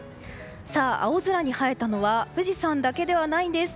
青空に映えたのは富士山だけではないんです。